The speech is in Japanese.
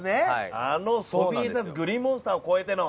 あのそびえ立つグリーンモンスターを越えての。